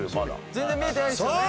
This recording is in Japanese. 全然見えてないですよね？